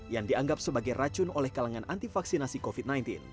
yang dianggap sebagai racun oleh kalangan anti vaksinasi covid sembilan belas